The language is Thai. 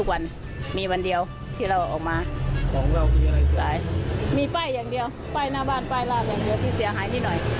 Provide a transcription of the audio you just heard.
ครีมระถวันสามเองนี่เป็นของของร้าน